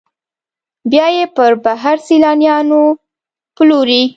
بیا یې پر بهر سیلانیانو پلوري.